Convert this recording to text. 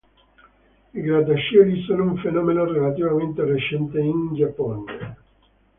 I grattacieli sono un fenomeno relativamente recente in Giappone.